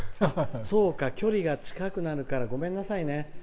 そうか、距離が近くなるからごめんなさいね。